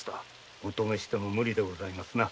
おとめしても無理でございますな。